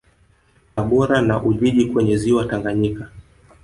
Tabora na Ujiji kwenye Ziwa Tanganyika